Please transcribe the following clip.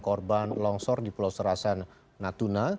korban longsor di pulau serasan natuna